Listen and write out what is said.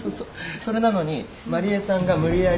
それなのに麻理恵さんが無理やり。